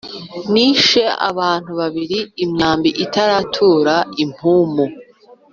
Nishe abantu babili imyambi itaratura impumu.